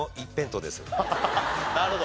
なるほど。